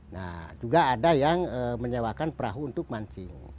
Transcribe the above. nah juga ada yang menyewakan perahu untuk mancing